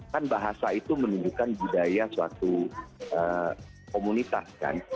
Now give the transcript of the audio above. kan bahasa itu menunjukkan budaya suatu komunitas kan